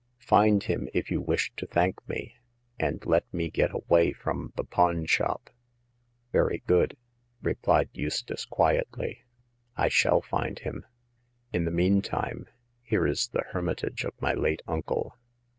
Find him if you wish to thank me, and let me get away from the pawn shop.'* Very good,'* replied Eustace, quietly. I shall find him. In the mean time, here is the hermitage of my late uncle."